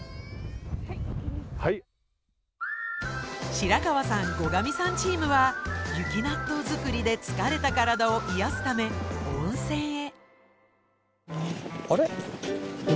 白川さん後上さんチームは雪納豆作りで疲れた体を癒やすため温泉へ。